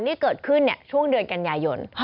นี่เกิดขึ้นช่วงเดือนกันยายน